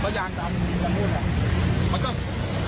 ภาย่างดังแล้วมันก็หยุดซาไปมา